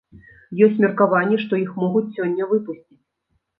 Ёсць меркаванне, што іх могуць сёння выпусціць.